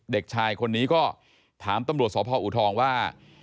เด็กชายคนนี้ก็ถามตำรวจสพอูทองว่า